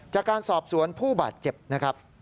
จากการสอบสวนผู้บาดเจ็บ